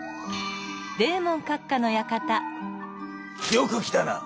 よく来たな！